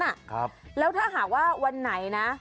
ครับแล้วถ้าหากว่าวันไหนนะ